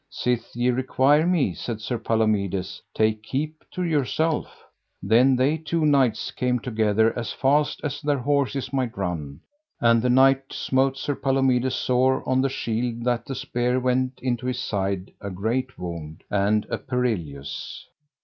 Sith ye require me, said Sir Palomides, take keep to yourself. Then they two knights came together as fast as their horses might run, and the knight smote Sir Palomides sore on the shield that the spear went into his side a great wound, and a perilous.